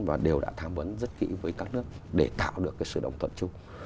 và đều đã tham vấn rất kỹ với các nước để tạo được cái sự đồng thuận chung